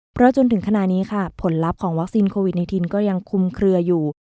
เพราะจนถึงขณะนี้ค่ะผลลัพธ์ของวัคซีนโควิด๑๙ก็ยังคุมเคลืออยู่